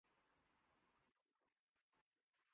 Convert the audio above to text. سہمے سہمے ہاتھوں نے اک کتاب پھر کھولی